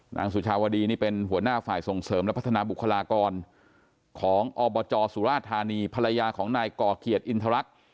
สุชาวดีนี่เป็นหัวหน้าฝ่ายส่งเสริมและพัฒนาบุคลากรของอบจสุราธานีภรรยาของนายก่อเกียรติอินทรรักษ์